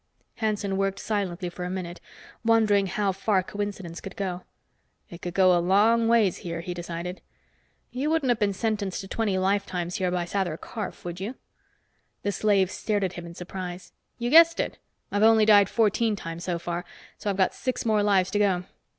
Hanson worked silently for a minute, wondering how far coincidence could go. It could go a long ways here, he decided. "You wouldn't have been sentenced to twenty lifetimes here by the Sather Karf, would you?" The slave stared at him in surprise. "You guessed it. I've died only fourteen times so far, so I've got six more lives to go.